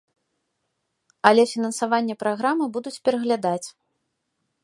Але фінансаванне праграмы будуць пераглядаць.